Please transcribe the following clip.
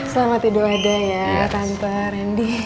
selamat tidur ada ya tante randy